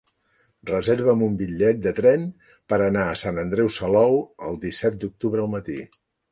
Reserva'm un bitllet de tren per anar a Sant Andreu Salou el disset d'octubre al matí.